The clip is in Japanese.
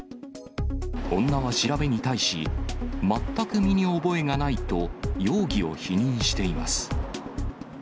女は調べに対し、全く身に覚えがないと容疑を否認しています。